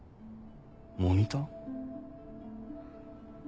モニター？